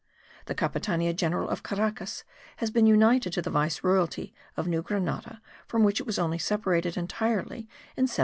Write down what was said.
The Capitania General of Caracas has been united to the Vice royalty of New Grenada, from which it was only separated entirely in 1777.